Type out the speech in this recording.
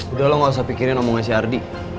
udah lo gak usah pikirin omong si ardi